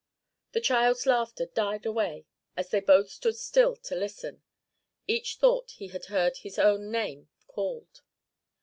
The child's laughter died away as they both stood still to listen. Each thought he had heard his own name called.